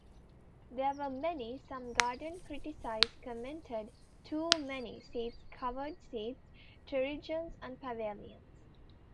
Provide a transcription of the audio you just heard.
There were many, some garden-critics commented "too many" seats, covered seats, treillages and pavilions.